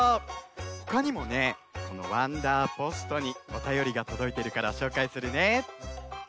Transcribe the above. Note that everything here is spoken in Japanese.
ほかにもねこのわんだーポストにおたよりがとどいてるからしょうかいするね。